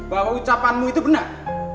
bahwa ucapanmu itu benar